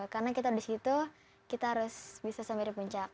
karena kita udah segitu kita harus bisa sambil puncak